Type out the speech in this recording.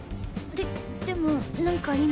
ででもなんか今。